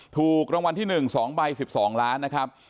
ถูกรางวัลที่๑๒ใบ๑๒ล้านนะครับ